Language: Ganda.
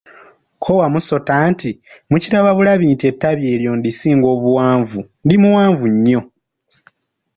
Ko Wamusota nti, mukiraba bulabi nti ettabi eryo ndisinga obuwanvu ndi muwanvu nnyo.